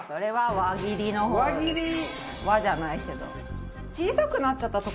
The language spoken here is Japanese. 「輪」じゃないけど。